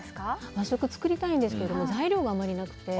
和食、作りたいんですけど材料があまりなくて。